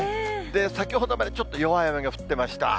先ほどまでちょっと弱い雨が降ってました。